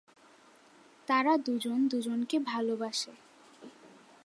তারা দুজন দুজনকে ভালোবাসে।